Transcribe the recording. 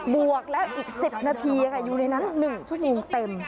บวกแล้วอีก๑๐นาทีอยู่ในนั้น๑ชั่วโมงเต็ม